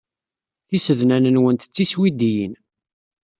Tisednan-nwent d tiswidiyin.